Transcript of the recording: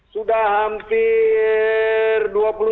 sudah hampir dua puluh